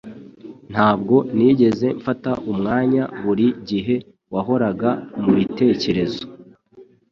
Ntabwo nigeze mfata umwanya Buri gihe wahoraga mubitekerezo